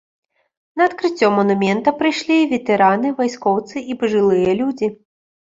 На адкрыццё манумента прыйшлі ветэраны, вайскоўцы і пажылыя людзі.